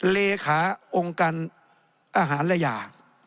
เลขาองค์การอาหารระยา